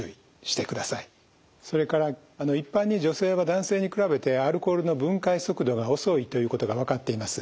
それから一般に女性は男性に比べてアルコールの分解速度が遅いということが分かっています。